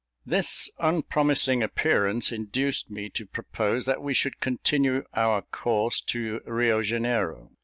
This unpromising appearance induced me to propose that we should continue our course to Rio Janeiro.